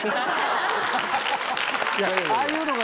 ああいうのが。